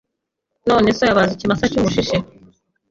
none so yabaze ikimasa cy’umushishe